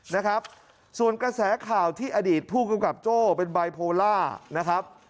นะครับส่วนกระแสข่าวที่อดีตผู้กำกับโจ้เป็นบายโพล่านะครับ